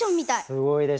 すごいでしょ？